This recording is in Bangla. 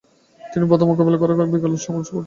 তিনি প্রথম বল মোকাবেলা করার বিরল সৌভাগ্য অর্জন করেন।